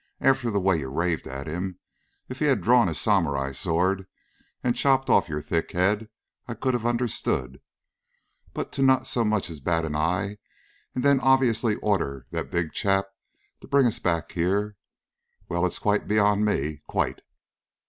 After the way you raved at him, if he had drawn his samurai sword and chopped off your thick head, I could have understood. But to not so much as bat an eye, and then obviously order that big chap to bring us back here...? Well, it's quite beyond me. Quite!"